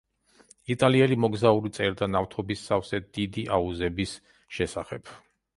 იტალიელი მოგზაური წერდა ნავთობის სავსე დიდი აუზების შესახებ.